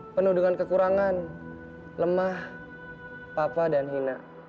penuh dengan kekurangan lemah papa dan hina